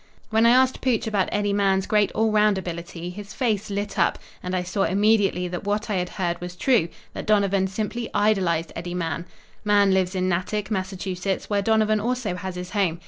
When I asked Pooch about Eddie Mahan's great all around ability, his face lighted up, and I saw immediately that what I had heard was true that Donovan simply idolized Eddie Mahan. Mahan lives in Natick, Massachusetts, where Donovan also has his home.